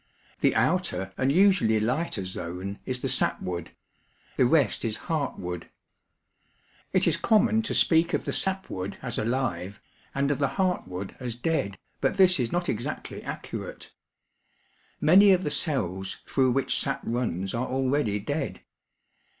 The outer and usually lighter zone is the sapwood; the rest is heart wood. It is common to speak of the sapwood as alive, and of the heartwood as dead, but this is not exactly ac curate. Many of the cells through which sap runs are already dead.